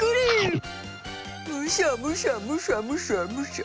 むしゃむしゃむしゃむしゃむしゃ。